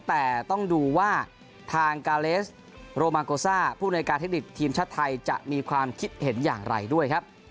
แต่ต้องดูว่าทางกาเลสโรมาโกซ่าผู้ในการเทคนิคทีมชาติไทยจะมีความคิดเห็นอย่างไรด้วยครับ